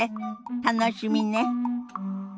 楽しみね。